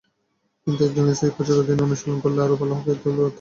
কিন্তু এখন একজন স্থায়ী কোচের অধীনে অনুশীলন করলে আরও ভালো খেলতে পারতাম।